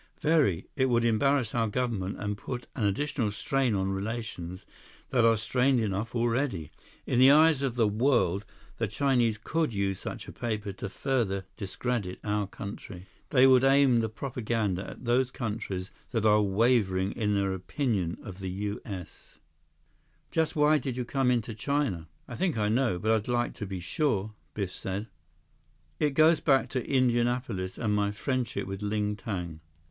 "Very. It would embarrass our government and put an additional strain on relations that are strained enough already. In the eyes of the world, the Chinese could use such a paper to further discredit our country. They would aim the propaganda at those countries that are wavering in their opinion of the U.S." "Just why did you come into China? I think I know, but I'd like to be sure," Biff said. "It goes back to Indianapolis and to my friendship with Ling Tang."